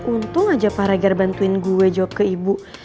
untung aja pak rager bantuin gue jawab ke ibu